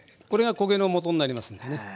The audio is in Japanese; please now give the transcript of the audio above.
これが焦げのもとになりますんでね。